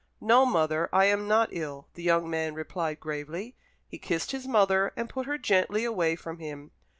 "No, mother, I am not ill," the young man replied gravely. He kissed his mother, and put her gently away from him.